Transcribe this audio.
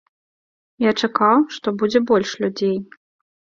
Я чакаў, што будзе больш людзей.